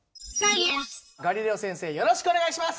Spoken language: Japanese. ガリレオ先生よろしくお願いします！